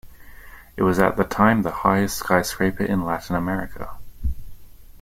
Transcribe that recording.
It was at the time the highest skyscraper in Latin America.